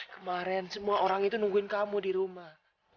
kemarin semua orang itu nungguin kamu di rumah